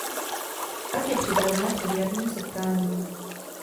Ať je připravena před jarním setkáním.